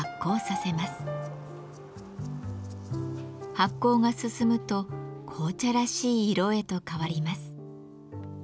発酵が進むと紅茶らしい色へと変わります。